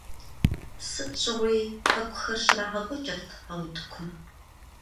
Сыт щыгъуи пэкӀухэр щрагъэкӀуэкӀырт а утыкум.